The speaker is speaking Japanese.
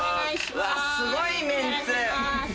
うわすごいメンツ。